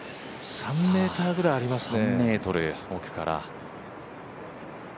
３ｍぐらいありますね。